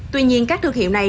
tuy nhiên các thương hiệu này